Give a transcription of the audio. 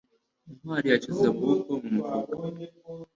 Ntwali yashyize amaboko mu mufuka.